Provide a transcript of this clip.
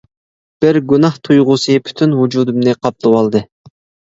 بىر گۇناھ تۇيغۇسى پۈتۈن ۋۇجۇدۇمنى قاپلىۋالدى.